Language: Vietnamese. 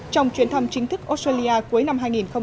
trong chuyến thăm chính thức australia cuối năm hai nghìn một mươi bảy